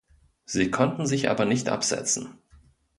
Sie konnten sich aber nicht absetzen.